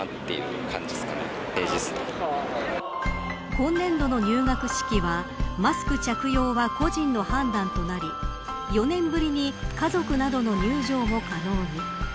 今年度の入学式はマスク着用は個人の判断となり４年ぶりに家族などの入場も可能に。